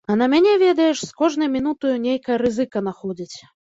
А на мяне ведаеш, з кожнай мінутаю нейкая рызыка находзіць.